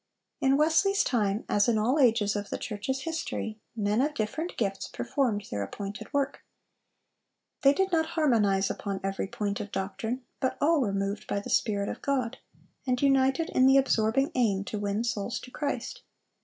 In Wesley's time, as in all ages of the church's history, men of different gifts performed their appointed work. They did not harmonize upon every point of doctrine, but all were moved by the Spirit of God, and united in the absorbing aim to win souls to Christ.